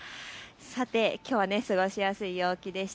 きょうは過ごしやすい陽気でした。